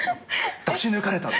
出し抜かれた！